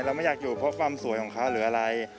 ไม่อยากอยู่เพราะความสวยของเขาหรืออะไร